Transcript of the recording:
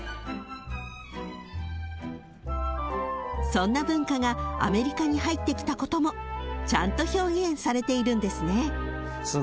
［そんな文化がアメリカに入ってきたこともちゃんと表現されているんですね］